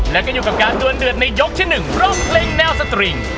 และก็อยู่กับการดวนเดือดในยกที่๑เพราะเพลงแนวสตริง